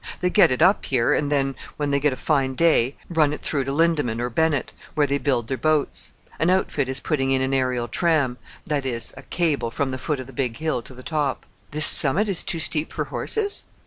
They get it up here, and then, when they get a fine day, run it through to Lindeman or Bennett, where they build their boats. An outfit is putting in an aerial tram: that is, a cable from the foot of the big hill to the top." "This summit is too steep for horses?"